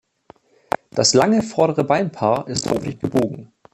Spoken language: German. Das lange vordere Beinpaar ist häufig gebogen.